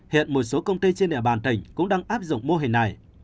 hiện một số công ty trên địa bàn tỉnh cũng đang áp dụng mô hình này